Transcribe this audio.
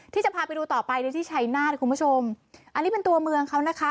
ที่จะพาไปดูต่อไปในที่ชัยนาธคุณผู้ชมอันนี้เป็นตัวเมืองเขานะคะ